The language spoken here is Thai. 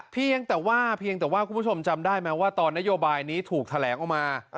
เพียงแต่ว่าเพียงแต่ว่าคุณผู้ชมจำได้ไหมว่าตอนนโยบายนี้ถูกแถลงออกมา